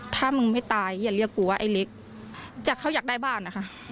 ถ้ามึงไม่ตายอย่าเรียกกูว่าไอ้เล็กจากเขาอยากได้บ้านนะคะ